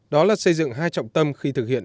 đó là xây dựng hai trọng tâm khi thực hiện